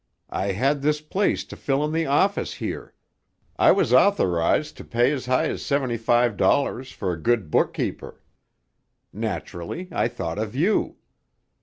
I had this place to fill in the office here; I was authorised to pay as high as seventy five dollars for a good bookkeeper. Naturally I thought of you.